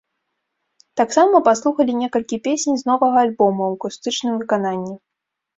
Таксама паслухалі некалькі песень з новага альбома ў акустычным выкананні.